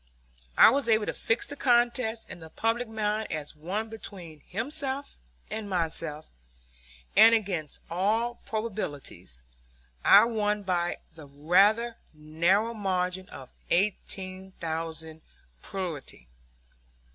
I was able to fix the contest in the public mind as one between himself and myself; and, against all probabilities, I won by the rather narrow margin of eighteen thousand plurality.